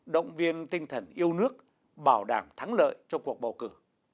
động viên tinh thần yêu nước bảo đảng thắng lợi trong cuộc bầu cử